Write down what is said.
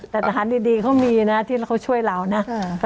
แต่ทหารดีเขามีนะที่เขาช่วยเรานะ